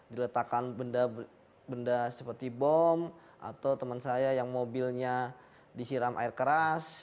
diletakkan benda seperti bom atau teman saya yang mobilnya disiram air keras